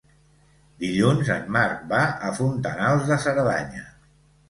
Dilluns en Marc va a Fontanals de Cerdanya.